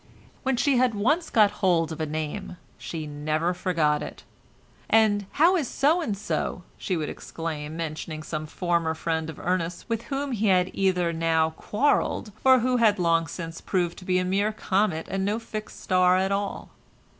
When she had once got hold of a name she never forgot it. "And how is So and so?" she would exclaim, mentioning some former friend of Ernest's with whom he had either now quarrelled, or who had long since proved to be a mere comet and no fixed star at all.